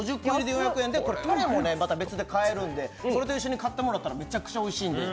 山添これタレもね、別で買えるんでそれと一緒に買ってもらったらめちゃくちゃおいしい。